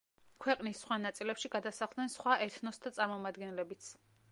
ქვეყნის სხვა ნაწილებში გადასახლდნენ სხვა ეთნოსთა წარმომადგენლებიც.